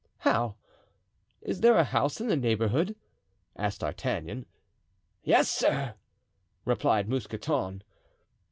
"How! is there a house in the neighborhood?" asked D'Artagnan. "Yes, sir," replied Mousqueton.